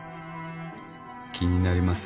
気になりますか？